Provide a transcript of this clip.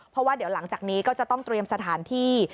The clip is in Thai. เพราะว่าเดี๋ยวหลังจากนี้ก็จะต้องเตรียมสถานที่